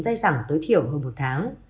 dây dẳng tối thiểu hơn một tháng